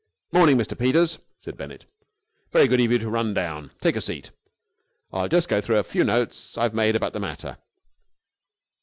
"Morning, Mr. Peters," said Mr. Bennett. "Very good of you to run down. Take a seat, and I'll just go through the few notes I have made about the matter."